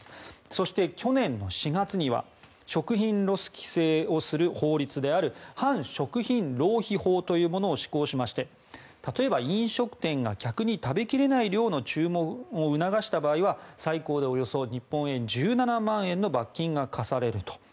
そして、去年４月には食品ロス規制をする法律である反食品浪費法というものを施行しまして例えば飲食店が客に食べ切れない量の注文を促した場合は最高でおよそ日本円１７万円の罰金が科されると。